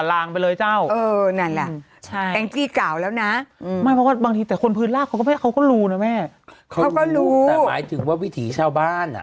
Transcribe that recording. อันนี้คือสิ่งที่ปัญหาที่ก็ต้องแก้ให้จบ